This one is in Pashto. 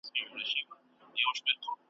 زه به د هغه ملاتړی یم `